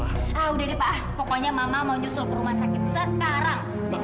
ah udah ini pak pokoknya mama mau nyusul ke rumah sakit sekarang